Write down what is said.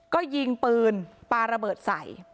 ก็ยิงปืนปลาระเบิดใส่